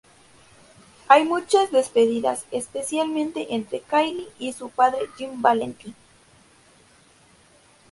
Hay muchas despedidas, especialmente entre Kyle y su padre Jim Valenti.